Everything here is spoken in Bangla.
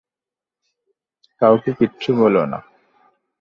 কাউকে কিচ্ছু বলো না!